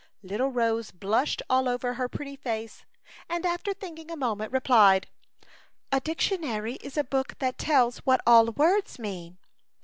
Little Rose blushed all over her pretty face, and after thinking a mo ment, replied, — "A dictionary is a book that tells what all words mean."